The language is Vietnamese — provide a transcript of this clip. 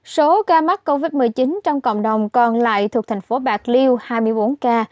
số ca mắc covid một mươi chín trong cộng đồng còn lại thuộc thành phố bạc liêu hai mươi bốn ca